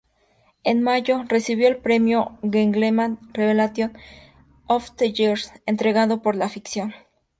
En mayo, recibió el premio "Gentleman Revelation of the Year" entregado por la afición.